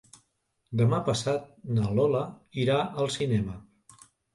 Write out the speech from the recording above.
Demà passat na Lola irà al cinema.